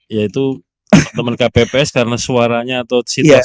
iya itu teman kpps karena suaranya atau situasi